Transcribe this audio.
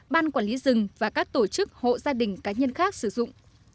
ban quản lý rừng và các tổ chức hộ gia đình cá nhân khác sử dụng